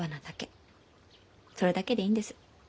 それだけでいいんです。